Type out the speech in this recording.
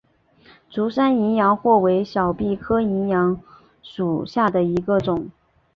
竹山淫羊藿为小檗科淫羊藿属下的一个种。